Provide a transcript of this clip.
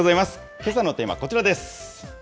けさのテーマはこちらです。